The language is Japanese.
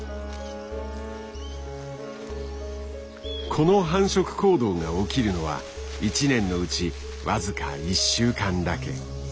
この繁殖行動が起きるのは１年のうち僅か１週間だけ。